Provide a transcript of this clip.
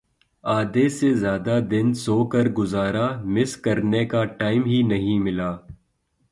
آدھے سے زیادہ دن سو کر گزارا مس کرنے کا ٹائم ہی نہیں ملا